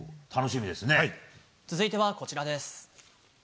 続いては、こちらです。